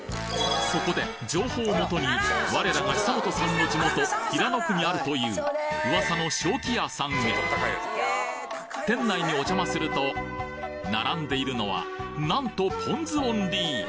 そこで情報をもとに我らが久本さんの地元平野区にあるという噂の勝貴屋さんへ店内にお邪魔すると並んでいるのはなんとポン酢オンリー！